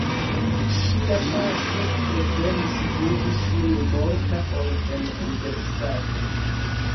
Ŝia patro preferis vidi ŝin morta ol en Universitato.